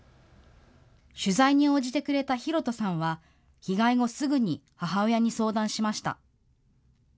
取材に応じてくれたヒロトさんは被害後すぐに母親に相談しました。